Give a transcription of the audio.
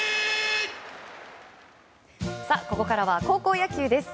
ここからは高校野球です。